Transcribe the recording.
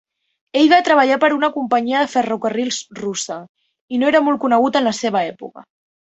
Ell va treballar per a una companyia de ferrocarrils russa i no era molt conegut en la seva època.